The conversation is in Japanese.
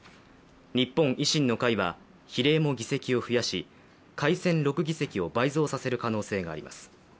日本維新の会は比例も議席を増やし改選６議席を倍増させる可能性があります。